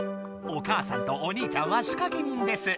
お母さんとお兄ちゃんはしかけ人です。